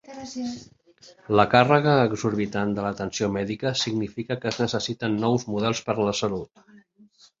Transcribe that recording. La càrrega exorbitant de l'atenció mèdica significa que es necessiten nous models per a la salut.